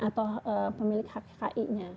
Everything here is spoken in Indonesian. atau pemilik hak ki nya